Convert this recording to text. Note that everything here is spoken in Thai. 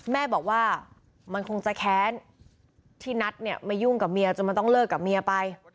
แม่บอกว่ามันคงจะแค้นที่นัทเนี่ยมายุ่งกับเมียจนมันต้องเลิกกับเมียไป